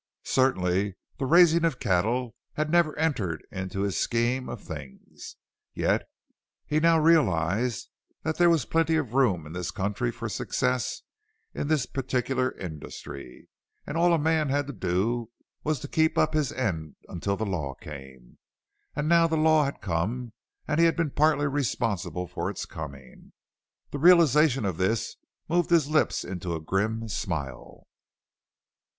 Certainly the raising of cattle had never entered into his scheme of things. Yet he now realized that there was plenty of room in this country for success in this particular industry; all a man had to do was to keep up his end until the law came. And now the law had come and he had been partly responsible for its coming. The realization of this moved his lips into a grim smile.